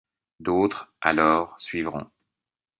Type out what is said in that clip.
D'autres, alors, suivront.